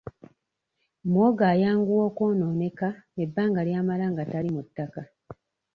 Muwogo ayanguwa okwonooneka ebbanga ly'amala nga tali mu ttaka.